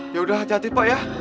yaudah hati hati pak ya